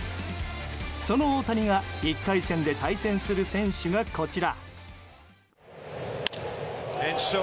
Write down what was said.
その大谷が１回戦で対戦する選手がこちら。